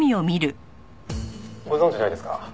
「ご存じないですか？」